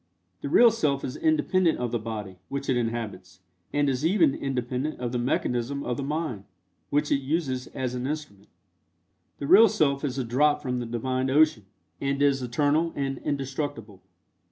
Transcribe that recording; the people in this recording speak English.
The real Self is independent of the body, which it inhabits, and is even independent of the mechanism of the mind, which it uses as an instrument. The real Self is a drop from the Divine Ocean, and is eternal and indestructible.